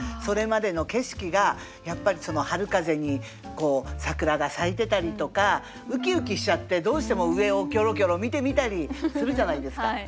それまでの景色がやっぱり春風に桜が咲いてたりとかうきうきしちゃってどうしても上をキョロキョロ見てみたりするじゃないですか。